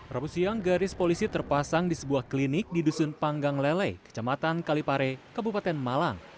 rabu siang garis polisi terpasang di sebuah klinik di dusun panggang lele kecamatan kalipare kabupaten malang